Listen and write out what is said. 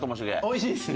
おいしいです！